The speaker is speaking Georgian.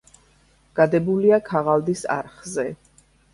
გადებულია ქაღალდის არხზე.